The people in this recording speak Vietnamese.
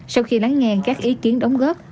sau khi lắng nghe các ý kiến đóng góp